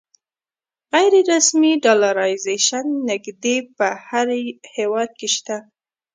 غیر رسمي ډالرایزیشن نږدې په هر هېواد کې شته.